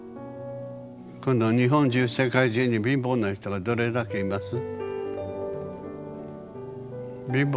この日本中世界中に貧乏な人がどれだけいます？